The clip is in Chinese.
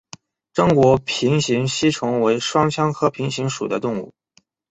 中国平形吸虫为双腔科平形属的动物。